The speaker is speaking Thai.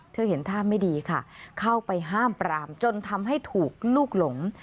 เห็นท่าไม่ดีค่ะเข้าไปห้ามปรามจนทำให้ถูกลูกหลง